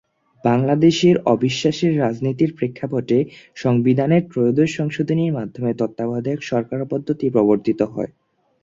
বাংলাদেশের অবিশ্বাসের রাজনীতির প্রেক্ষাপটে সংবিধানের ত্রয়োদশ সংশোধনীর মাধ্যমে তত্ত্বাবধায়ক সরকারপদ্ধতি প্রবর্তিত হয়।